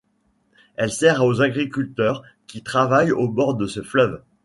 Elle sert aux agriculteurs qui travaillent au bord de ce fleuve.